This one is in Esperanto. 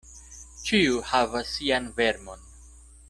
Ĉiu havas sian vermon.